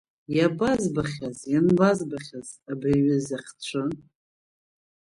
Иабазбахьаз, ианбазбахьаз абри аҩыза ахцәы?